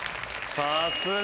さすが！